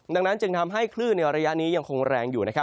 ดังนั้นจึงทำให้คลื่นในระยะนี้ยังคงแรงอยู่นะครับ